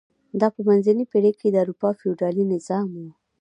دا په منځنۍ پېړۍ کې د اروپا فیوډالي نظام و.